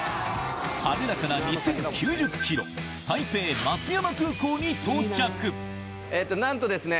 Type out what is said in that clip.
羽田から２０９０ｋｍ台北松山空港に到着なんとですね